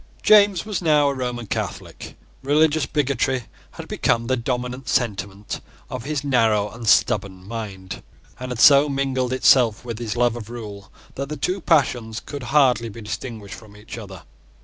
James was now a Roman Catholic. Religious bigotry had become the dominant sentiment of his narrow and stubborn mind, and had so mingled itself with his love of rule, that the two passions could hardly be distinguished from each other.